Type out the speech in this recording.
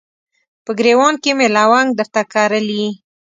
په ګریوان کې مې لونګ درته کرلي